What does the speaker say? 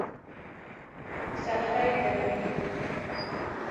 سهره طلایی